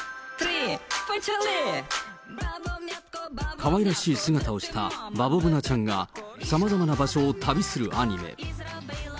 かわいらしい姿をしたバボブナちゃんが、さまざまな場所を旅するアニメ。